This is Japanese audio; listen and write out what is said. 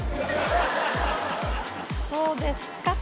そうですか。